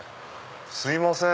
すいません。